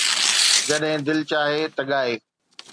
جڏهن دل چاهي ته ڳائي